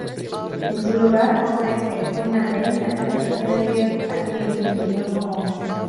En su lugar, ofrece una reinterpretación de Dios, a quien definió como amor.